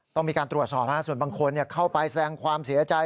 ต้องมีการตรวจสอบส่วนบางคนเข้าไปแสดงความเสียใจ